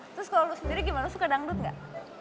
terus kalo lo sendiri gimana lo suka dangdut gak